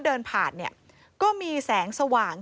เดินผ่านก็มีแสงสว่าง